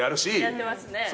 やってますね。